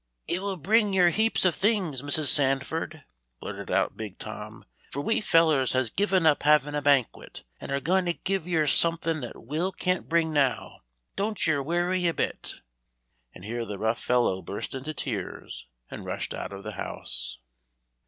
"It will bring yer heaps of things, Mrs. Sandford," blurted out big Tom, "for we fellers has given up havin' a banquet, and are going to bring yer something that Will can't bring now. Don't yer worry a bit," and here the rough fellow burst into tears, and rushed out of the house.